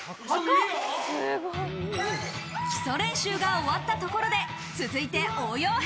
基礎練習が終わったところで、続いて応用編。